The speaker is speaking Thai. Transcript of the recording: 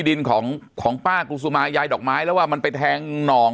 ดินของของป้ากุศุมายายดอกไม้แล้วว่ามันไปแทงหนอง